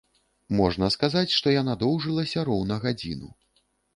Можна сказаць, што яна доўжылася роўна гадзіну.